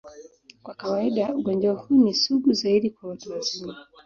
Kwa kawaida, ugonjwa huu ni sugu zaidi kwa watu wazima.